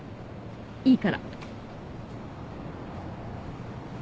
いいから。